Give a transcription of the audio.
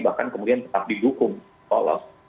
bahkan kemudian tetap didukung polos